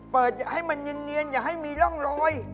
เปิดให้มันเนียนอย่าให้มีร่องรอย